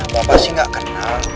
bapak sih gak kenal